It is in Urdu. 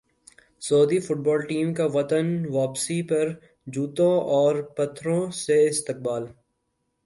سعودی فٹبال ٹیم کا وطن واپسی پر جوتوں اور پتھروں سے استقبال